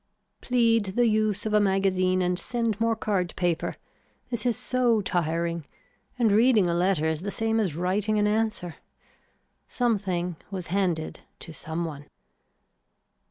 Plead the use of a magazine and send more card paper, this is so tiring and reading a letter is the same as writing an answer. Something was handed to some one.